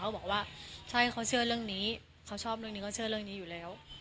บอกว่าใช่เขาเชื่อเรื่องนี้เขาชอบเรื่องนี้เขาเชื่อเรื่องนี้อยู่แล้ว